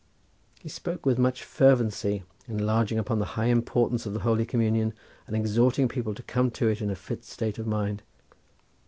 He spoke with much fervency, enlarging upon the high importance of the holy communion and exhorting people to come to it in a fit state of mind.